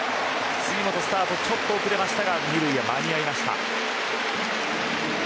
杉本、スタートが遅れましたが２塁、間に合いました。